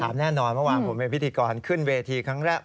แน่นอนเมื่อวานผมเป็นพิธีกรขึ้นเวทีครั้งแรก